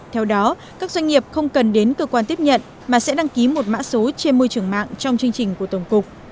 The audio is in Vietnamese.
theo đó các doanh nghiệp không cần đến cơ quan tiếp nhận mà sẽ đăng ký một mã số trên môi trường mạng trong chương trình của tổng cục